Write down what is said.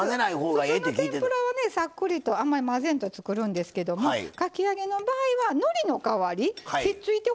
普通の天ぷらはねサックリとあんまり混ぜんと作るんですけどもかき揚げの場合はのりの代わりひっついてほしいのでね